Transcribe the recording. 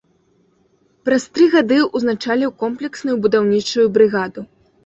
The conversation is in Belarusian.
Праз тры гады ўзначаліў комплексную будаўнічую брыгаду.